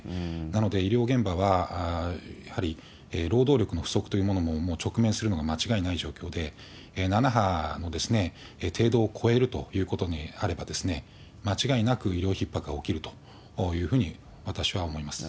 なので、医療現場はやはり労働力の不足というものも、もう直面するのは間違いない状況で、７波の程度を超えるということになれば、間違いなく医療ひっ迫は起きるというふうに、私は思います。